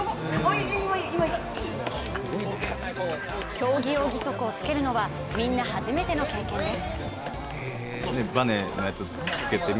競技用義足をつけるのはみんな初めての経験です。